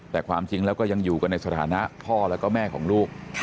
แต่ความจริงแล้วก็ยังอยู่กันในสถานะพ่อแล้วก็แม่ของลูก